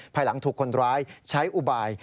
ภายหลังถูกคนร้ายใช้อุบาย